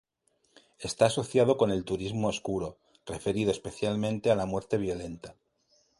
Está asociado con el turismo oscuro, referido especialmente a la muerte violenta.